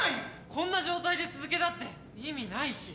こんな状態で続けたって意味ないし。